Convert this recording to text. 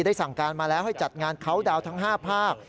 สั่งการมาแล้วให้จัดงานเขาดาวน์ทั้ง๕ภาค